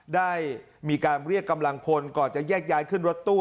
ได้มีการเรียกกำลังพลก่อนจะแยกย้ายขึ้นรถตู้